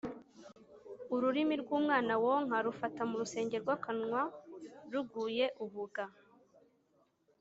Ururimi rw’umwana wonka, Rufata mu rusenge rw’akanwa ruguye ubuga.